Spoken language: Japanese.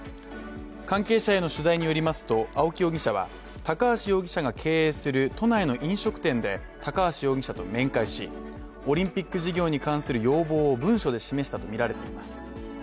関係者への取材によりますと青木容疑者は高橋容疑者が経営する都内の飲食店で高橋容疑者と面会しオリンピック事業に関する要望を文書で示したとみられています。